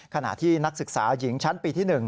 ขณะที่นักศึกษาหญิงชั้นปีที่๑